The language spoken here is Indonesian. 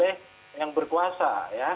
atau oleh yang berpuasa ya